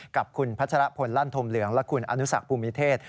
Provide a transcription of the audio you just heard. กับคุณพัชรพลลั่นธมเหลืองและคุณอนุสักภูมิเทศ